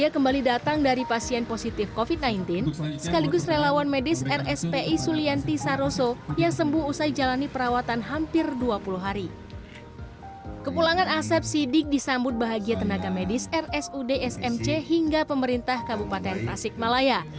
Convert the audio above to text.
kepulangan asap sidik disambut bahagia tenaga medis rsud smc hingga pemerintah kabupaten pasik malaya